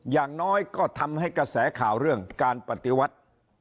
อย่างน้อยก็ทำให้กระแสข่าวเรื่องการปฏิวัติ